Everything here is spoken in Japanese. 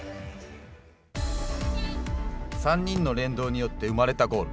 ３人の連動によって生まれたゴール。